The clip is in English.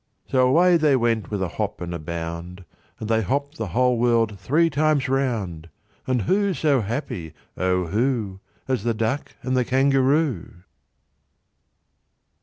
So away they went with a hop and a bound, And they hopped the whole world three times round; And who so happy, O who, As the Duck and the Kangaroo?